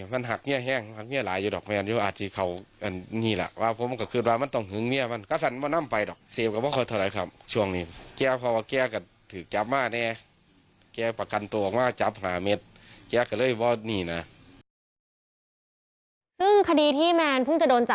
ซึ่งคดีที่แมนเพิ่งจะโดนจับเรื่องเกี่ยวกับยาเสี่ยติดนะคะ